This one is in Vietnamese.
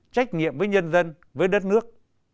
trách nhiệm với nhân dân với đất nước